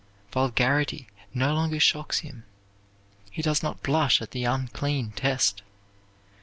Vulgarity no longer shocks him. He does not blush at the unclean test.